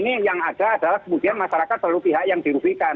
ini yang ada adalah kemudian masyarakat selalu pihak yang dirugikan